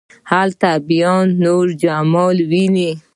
هلته بیا نور جمال ويني.